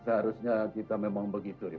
seharusnya kita memang begitu